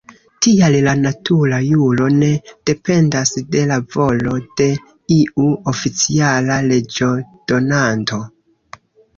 Tial la natura juro ne dependas de la volo de iu oficiala leĝodonanto.